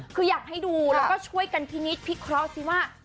คืออยากให้ดูแล้วก็ช่วยกันพินิษฐพิเคราะห์สิว่า